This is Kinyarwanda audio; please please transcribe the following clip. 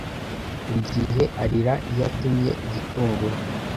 Buri gihe arira iyo atemye igitunguru.